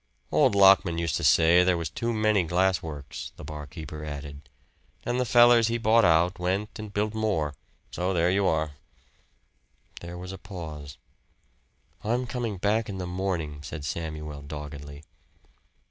"Old Lockman used to say there was too many glass works," the barkeeper added. "An' the fellers he bought out went an' built more. So there you are." There was a pause. "I'm coming back in the morning," said Samuel doggedly.